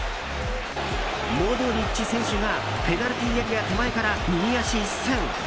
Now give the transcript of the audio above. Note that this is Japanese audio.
モドリッチ選手がペナルティーエリア手前から右足一閃。